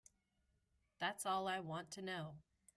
That's all I want to know.